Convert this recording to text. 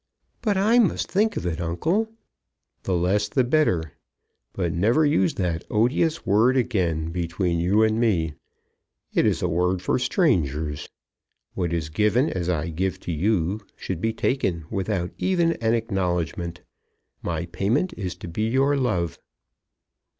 "But I must think of it, uncle." "The less the better; but never use that odious word again between you and me. It is a word for strangers. What is given as I give to you should be taken without even an acknowledgment. My payment is to be your love."